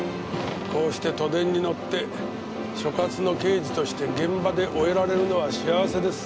こうして都電に乗って所轄の刑事として現場で終えられるのは幸せです。